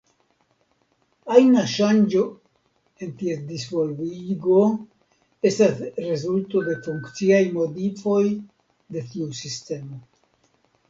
Ajna ŝanĝo en ties disvolvigo estas rezulto de funkciaj modifoj de tiu sistemo.